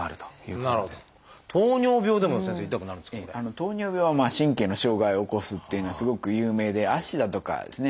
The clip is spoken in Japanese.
糖尿病は神経の障害を起こすっていうのはすごく有名で足だとかですね